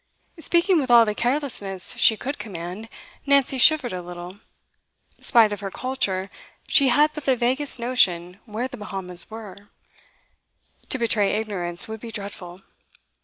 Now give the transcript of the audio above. Speaking with all the carelessness she could command, Nancy shivered a little. Spite of her 'culture,' she had but the vaguest notion where the Bahamas were. To betray ignorance would be dreadful.